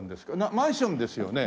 マンションですよね。